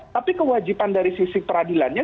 tapi kewajiban dari sisi peradilannya